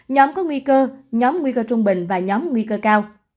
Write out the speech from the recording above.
nhóm có nguy cơ nhóm nguy cơ trung bình và nhóm nguy cơ cao